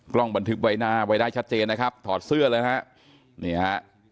บันทึกไว้หน้าไว้ได้ชัดเจนนะครับถอดเสื้อเลยนะฮะนี่ฮะ